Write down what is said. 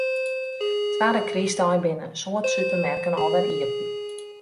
Twadde krystdei binne in soad supermerken alwer iepen.